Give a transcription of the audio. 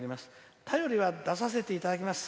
便りは出させていただきます。